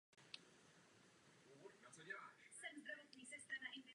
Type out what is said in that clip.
Žije zde obyvatel a město tak patří k nejmenším na Ukrajině.